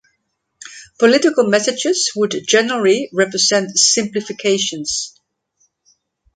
Political messages would generally represent simplifications.